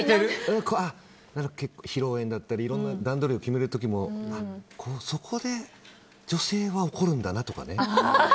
披露宴だったりいろんな段取りを決める時もそこで、女性は怒るんだなとかね。